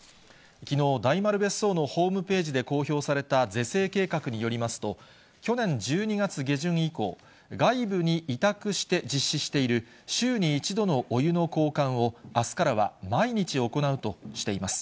きのう、大丸別荘のホームページで公表された是正計画によりますと、去年１２月下旬以降、外部に委託して実施している週に１度のお湯の交換を、あすからは毎日行うとしています。